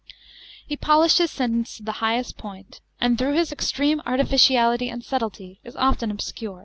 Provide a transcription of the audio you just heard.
He polished his sentences to the highest point, and through his extreme artificiality and subtlety is often obscure.